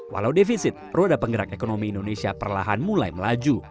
walau defisit roda penggerak ekonomi indonesia perlahan mulai melaju